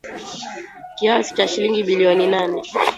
Kiasi cha shilingi bilioni nane